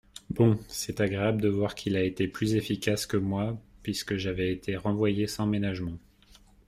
Bon, c’est agréable de voir qu’il a été plus efficace que moi puisque j’avais été renvoyé sans ménagement.